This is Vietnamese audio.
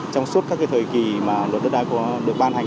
trong suốt các thời kỳ mà luật đất đai được ban hành